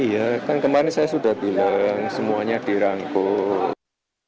iya kan kemarin saya sudah bilang semuanya dirangkul